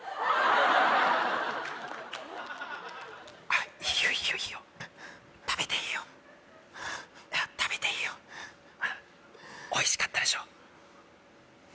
あっいいよいいよいいよ食べていいよ食べていいよおいしかったでしょ？